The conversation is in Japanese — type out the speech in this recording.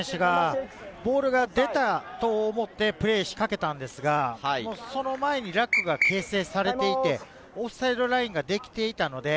ボールが出たと思ってプレーしかけたんですが、その前にラックが形成されていて、オフサイドラインができていたので。